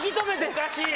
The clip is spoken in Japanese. おかしい！